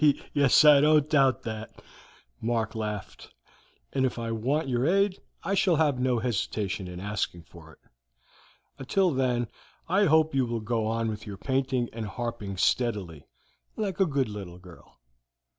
"Yes I don't doubt that," Mark laughed, "and if I want your aid I shall have no hesitation in asking for it. Until then I hope you will go on with your painting and harping steadily, like a good little girl."